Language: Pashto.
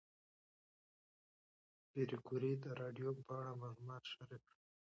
پېیر کوري د راډیوم په اړه معلومات شریک کړل.